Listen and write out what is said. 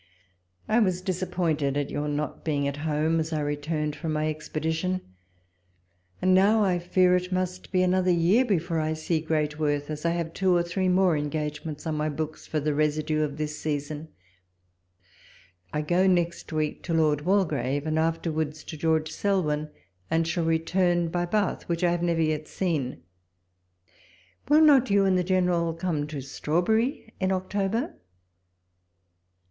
I WAS disappointed at your not being at home as I returned from my expedition ; and now I fear it must be another vear before I see Great V6 walpole's letters. worth, as 1 have two or three more engagements on my books for the residue of this season. I go next week to Lord Waldegrave, and afterwards to George Selwyn, and shall return by Bath, which I have never yet seen. Will not you and the General come to Strawberry in October?